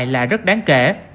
là rất đáng kể